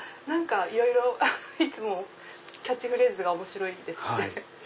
いろいろいつもキャッチフレーズが面白いです。